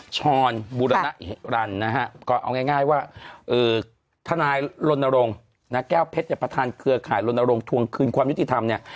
ชอนบุรณะอีรันดิ์นะฮะก็เอาง่ายว่าถนายลนโรงแก้วเพชรประธานเกลือข่ายลนโรงทวงคืนความยุติธรรมเนี่ย